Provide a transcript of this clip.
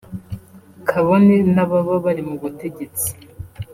kabone n’ababa bari mu butegetsi